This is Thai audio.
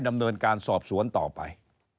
ผลการสอบสวนต่อไป